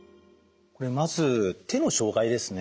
まず手の障害ですね。